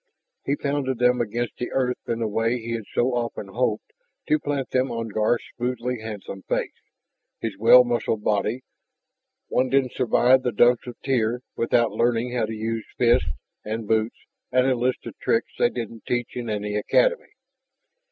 He pounded them against the earth in a way he had so often hoped to plant them on Garth's smoothly handsome face, his well muscled body. One didn't survive the Dumps of Tyr without learning how to use fists, and boots, and a list of tricks they didn't teach in any academy.